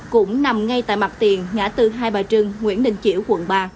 cũng nằm ngay tại mặt tiền ngã từ hai bà trưng nguyễn đình chiểu quận ba